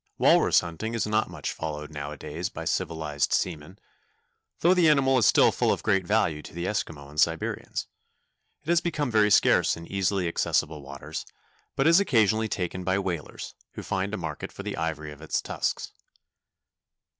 Walrus hunting is not much followed nowadays by civilized seamen, though the animal is still of great value to the Eskimo and Siberians. It has become very scarce in easily accessible waters, but is occasionally taken by whalers, who find a market for the ivory of its tusks.